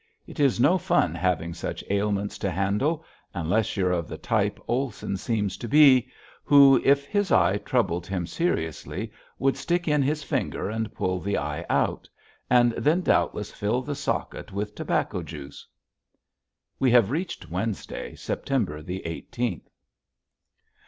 It is no fun having such ailments to handle unless you're of the type Olson seems to be who, if his eye troubled him seriously, would stick in his finger and pull the eye out, and then doubtless fill the socket with tobacco juice. We have reached Wednesday, September the eighteenth.